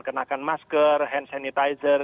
kenakan masker hand sanitizer